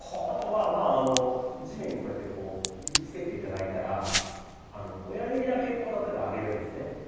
あとはまあ地面にこうやってこう指つけて頂いたら親指だけ例えば上げるんですね。